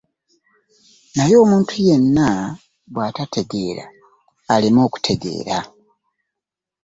Naye omuntu yenna bw'atategeera, aleme okutegeera.